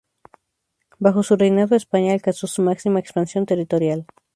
Bajo su reinado España alcanzó su máxima expansión territorial.